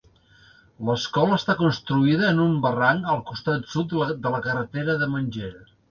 L'escola està construïda en un barranc al costat sud de la carretera de Mangere.